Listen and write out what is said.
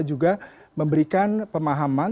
juga memberikan pemahaman